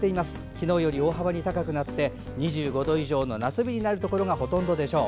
昨日より大幅に高くなって２５度以上の夏日になるところがほとんどでしょう。